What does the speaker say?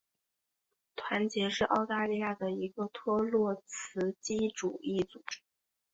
团结是澳大利亚的一个托洛茨基主义组织。